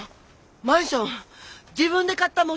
マンション自分で買った持ち家なのよ！